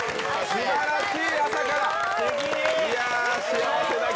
すばらしい朝から。